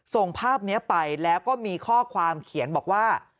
ส่งภาพนี้ไปแล้วก็มีข้อความเขียนบอกว่า